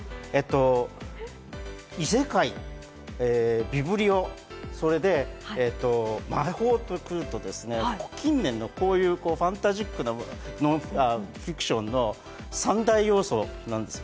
異世界、ビブリオ、それで魔法と来ると、近年のこういうファンタジックなフィクションの三大要素なんです。